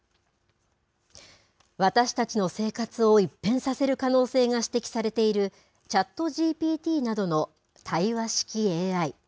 私たちの生活を一変させる可能性が指摘されている、ＣｈａｔＧＰＴなどの対話式ＡＩ。